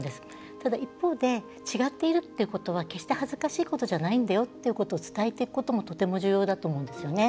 ただ、一方で違っているということは決して恥ずかしいことじゃないと伝えていくことも重要だと思うんですね。